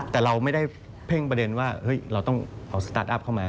แต่เราไม่ได้เพ่งประเด็นว่าเราต้องเอาสตาร์ทอัพเข้ามา